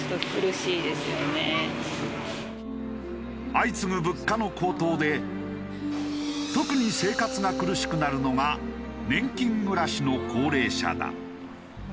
相次ぐ物価の高騰で特に生活が苦しくなるのが年金暮らしの高齢者だ。